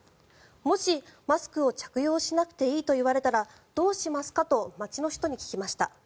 もし、マスクを着用しなくていいと言われたらどうしますか？と街の人に聞きました。